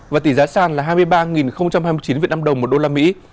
và tỷ giá sàn là hai mươi ba hai mươi chín việt nam đồng một đô la mỹ